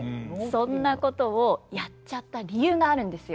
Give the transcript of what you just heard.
そんなことをやっちゃった理由があるんですよ。